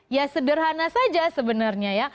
ya sederhana saja sebenarnya ya